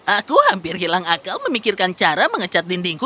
aku hampir hilang akal memikirkan cara mengecat dindingku